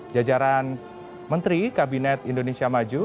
jajaran menteri kabinet indonesia maju